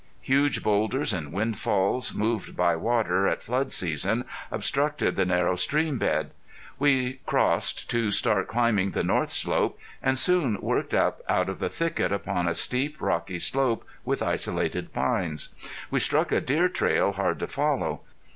Huge boulders and windfalls, moved by water at flood season, obstructed the narrow stream bed. We crossed to start climbing the north slope, and soon worked up out of the thicket upon a steep, rocky slope, with isolated pines. We struck a deer trail hard to follow.